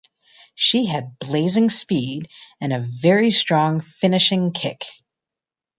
She had blazing speed, and a very strong finishing kick.